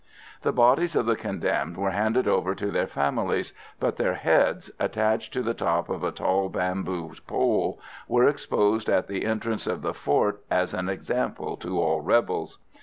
The bodies of the condemned were handed over to their families, but their heads, attached to the top of a tall bamboo pole, were exposed at the entrance of the fort as an example to all rebels.